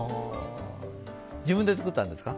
自分で作ったんですか？